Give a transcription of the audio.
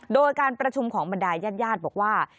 โดยการประชุมของบรรดายญาติญาติบอกว่า